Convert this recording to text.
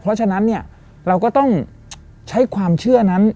เพราะฉะนั้นเนี่ยเราก็ต้องใช้ความเชื่อนั้น